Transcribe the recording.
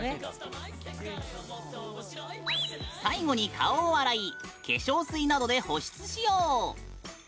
最後に顔を洗い化粧水などで保湿しよう。